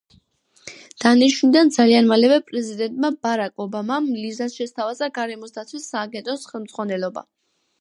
დანიშვნიდან ძალიან მალევე პრეზიდენტმა ბარაკ ობამამ ლიზას შესთავაზა გარემოს დაცვის სააგენტოს ხელმძღვანელობა.